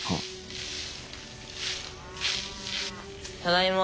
ただいま。